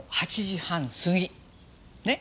ねっ。